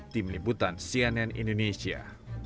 tim liputan cnn indonesia